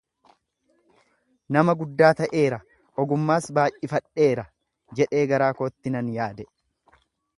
nama guddaa ta'eera, ogummaas baay'ifadheera'' jedhee garaa kootti nan yaade.